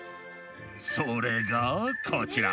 それがこちら。